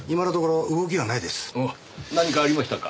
何かありましたか？